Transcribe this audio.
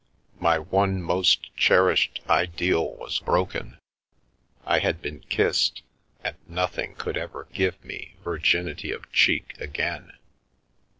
My one most cherished ideal was broken; I had been kissed, and nothing could ever give me virginity of cheek again.